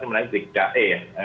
menangis di da'e ya